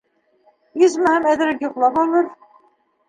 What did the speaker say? Исмаһам, әҙерәк йоҡлап алыр.